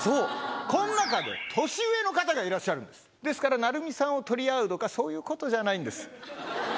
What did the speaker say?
この中で年上の方がいらっしゃるんですから、ですから、奈瑠美さんを取り合うとか、そういうことじゃないんです。